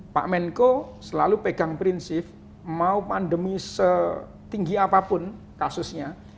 pak menko selalu pegang prinsip mau pandemi setinggi apapun kasusnya